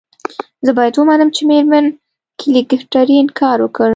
زه باید ومنم چې میرمن کلیګرتي انکار وکړ